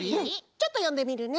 ちょっとよんでみるね。